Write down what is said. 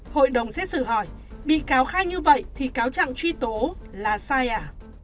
hội đồng xét xử hỏi bị cáo khai như vậy thì cáo trạng truy tố là sai à